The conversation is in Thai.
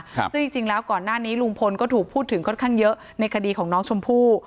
ซึ่งจริงจริงแล้วก่อนหน้านี้ลุงพลก็ถูกพูดถึงค่อนข้างเยอะในคดีของน้องชมพู่